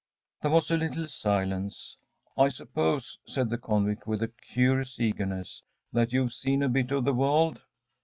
There was a little silence. “I suppose,‚ÄĚ said the convict, with a curious eagerness, “that you have seen a bit of the world?